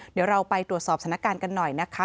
เดี๋ยวเราไปตรวจสอบสถานการณ์กันหน่อยนะคะ